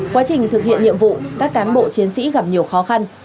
quá trình thực hiện nhiệm vụ các cán bộ chiến sĩ gặp nhiều khó khăn